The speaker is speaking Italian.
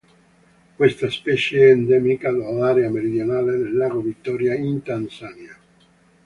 Questa specie è endemica dell'area meridionale del lago Vittoria, in Tanzania.